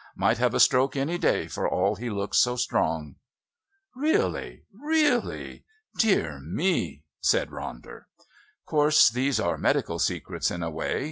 Might have a stroke any day for all he looks so strong!" "Really, really! Dear me!" said Ronder. "Course these are medical secrets in a way.